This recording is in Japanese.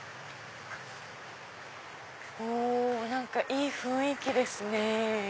お何かいい雰囲気ですね。